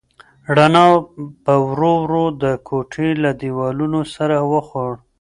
رڼا په ورو ورو د کوټې له دیوالونو سر وخوړ.